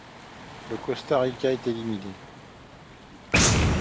Le Costa Rica est éliminé.